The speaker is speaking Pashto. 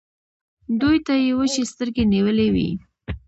دوی ته يې وچې سترګې نيولې وې.